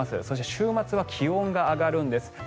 そして週末は気温が上がるんです。